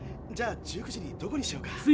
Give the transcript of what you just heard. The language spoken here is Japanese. じゃあ１９時にどこにしようか？